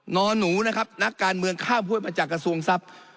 นอนหนูนะครับนักการเมืองข้ามห้วยมาจากกระทรวงทรัพย์